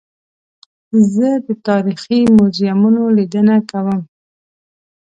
زه د تاریخي موزیمونو لیدنه کوم.